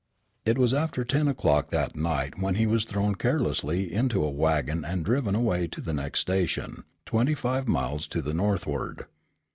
It was after ten o'clock that night when he was thrown carelessly into a wagon and driven away to the next station, twenty five miles to the northward.